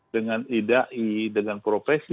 dengan idai dengan profesi